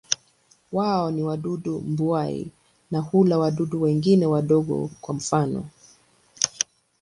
Wao ni wadudu mbuai na hula wadudu wengine wadogo, kwa mfano.